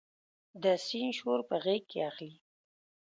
د سیند شور په غیږ کې اخلي